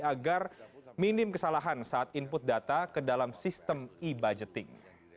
agar minim kesalahan saat input data ke dalam sistem e budgeting